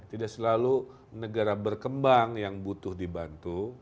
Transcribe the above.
tidak selalu negara berkembang yang butuh dibantu